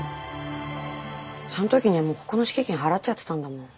その時にはもうここの敷金払っちゃってたんだもん。